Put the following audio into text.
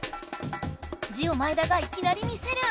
ジオ前田がいきなり見せる！